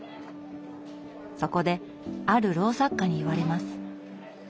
そこである老作家に言われます。